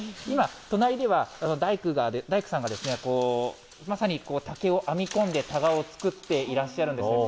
今、隣では大工さんが、まさに竹を編み込んでタガを作っていらっしゃるんです。